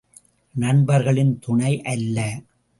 நண்பர்களின் துணை அல்ல.